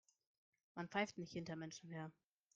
Man pfeift nicht hinter Menschen her.